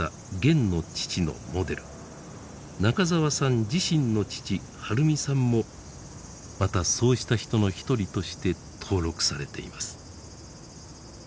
中沢さん自身の父晴美さんもまたそうした人の一人として登録されています。